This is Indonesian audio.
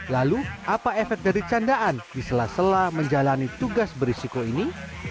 lalu apa efek dari candaan di sela sela menjalani tugas berisiko ini